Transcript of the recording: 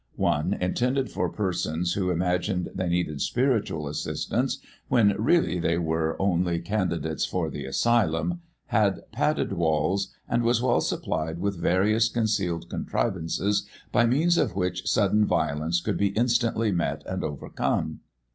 One (intended for persons who imagined they needed spiritual assistance when really they were only candidates for the asylum) had padded walls, and was well supplied with various concealed contrivances by means of which sudden violence could be instantly met and overcome.